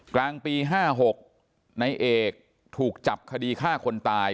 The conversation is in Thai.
กลางปี๕๖นายเอกถูกจับคดีฆ่าคนตาย